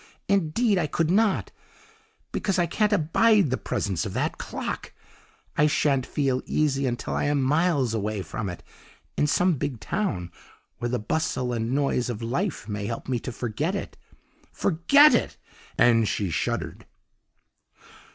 Indeed, I could not, because I can't abide the presence of that clock. I shan't feel easy until I am miles away from it in some big town, where the bustle and noise of life may help me to forget it FORGET it!!' and she shuddered.